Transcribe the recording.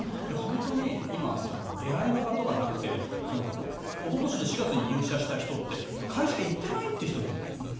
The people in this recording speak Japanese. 今、本当に出会いの場とかなくておととしの４月に入社した人って会社に行ってないって人がいるんだよね。